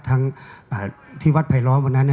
ทั้งที่วัดทรายล้อมเหรอนะครับ